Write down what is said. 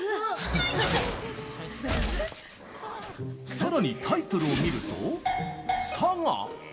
さらにタイトルを見ると佐賀？